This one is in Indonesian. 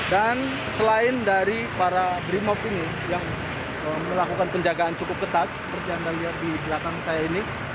dan selain dari para primob ini yang melakukan penjagaan cukup ketat perjandaan lihat di belakang saya ini